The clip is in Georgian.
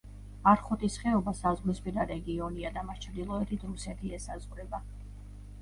არხოტის ხეობა საზღვრისპირა რეგიონია და მას ჩრდილოეთით რუსეთი ესაზღვრება.